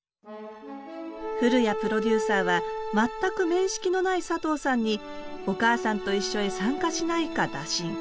古屋プロデューサーは全く面識のない佐藤さんに「おかあさんといっしょ」へ参加しないか打診。